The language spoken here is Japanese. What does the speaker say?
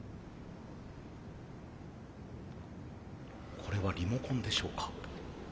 これはリモコンでしょうか。